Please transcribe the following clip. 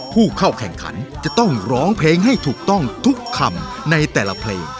ผู้เข้าแข่งขันจะต้องร้องเพลงให้ถูกต้องทุกคำในแต่ละเพลง